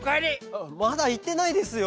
あまだいってないですよ。